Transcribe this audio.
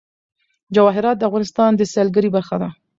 جواهرات د افغانستان د سیلګرۍ برخه ده.